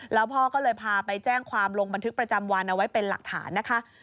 แล้วพ่อก็เลยพาไปแจ้งความลงบันทึกประจำวันเอาไว้เป็นหลักฐานนะคะ